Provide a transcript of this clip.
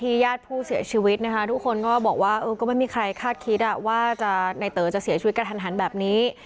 ญาติผู้เสียชีวิตนะคะทุกคนก็บอกว่าเออก็ไม่มีใครคาดคิดว่าในเต๋อจะเสียชีวิตกระทันหันแบบนี้